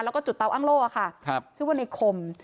แล้วก็จุดเตาอ้างโล่ค่ะชื่อว่าในคม